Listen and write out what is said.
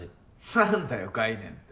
何だよ概念って。